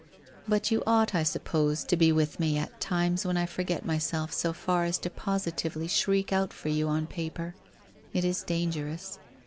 But you ought, I suppose, to be with me at times when I forget myself so far as to positively shriek out for you on paper. It is dangerous.